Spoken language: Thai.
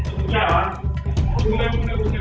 สวัสดีครับวันนี้เราจะกลับมาเมื่อไหร่